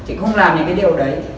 chị không làm những cái điều đấy